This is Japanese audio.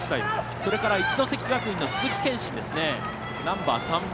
それから一関学院の鈴木健真ですね、ナンバー３番。